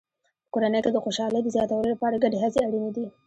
په کورنۍ کې د خوشحالۍ د زیاتولو لپاره ګډې هڅې اړینې دي.